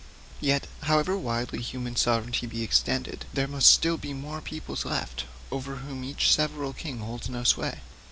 Yet, however widely human sovereignty be extended, there must still be more peoples left, over whom each several king holds no sway.